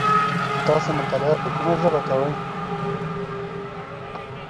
تاسو مطالعه په کومه ژبه کوی ؟